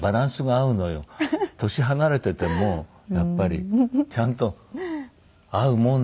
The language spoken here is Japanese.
年離れていてもやっぱりちゃんと合うもんね。